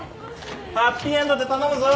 ハッピーエンドで頼むぞ。